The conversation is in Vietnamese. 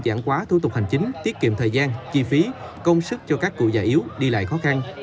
giảm quá thủ tục hành chính tiết kiệm thời gian chi phí công sức cho các cụ già yếu đi lại khó khăn